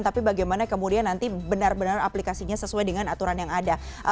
tapi bagaimana kemudian nanti benar benar aplikasinya sesuai dengan aturan yang ada